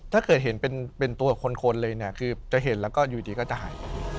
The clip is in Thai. ถ้าเกิดเห็นเป็นตัวคนเลยเนี่ยคือจะเห็นแล้วก็อยู่ดีก็จะหาย